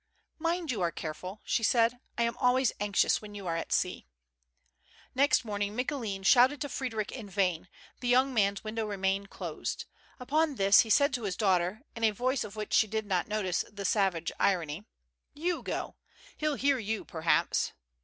" Mind you are careful," she said. " I am always anxious when you are at sea." Next morning Micoulin shouted to Freddric in vain,* the young man's window remained closed. Upon this he said to his daughter, in a voice of which she did not notice the savage irony: " You go. He'll hear you, perhaps."